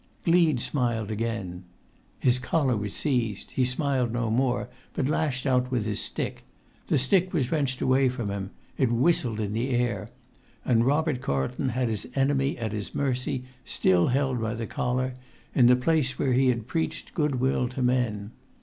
Gleed smiled again. His collar was seized. He smiled no more, but lashed out with his stick. The stick was wrenched away from him. It whistled in the air. And Robert Carlton had his enemy at his mercy, still held by the collar, in the place where he had preached goodwill to men.